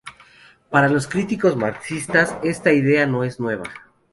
Para los críticos marxistas, esta idea no es nueva.